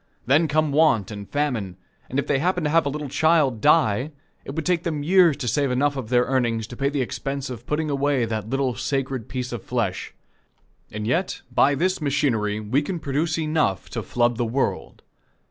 Then come want and famine, and if they happen to have a little child die, it would take them years to save enough of their earnings to pay the expense of putting away that little sacred piece of flesh. And yet, by this machinery we can produce enough to flood the world.